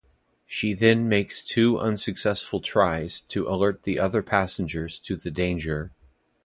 She then makes two unsuccessful tries to alert the other passengers to the danger.